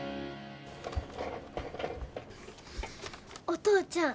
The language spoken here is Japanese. お父ちゃん。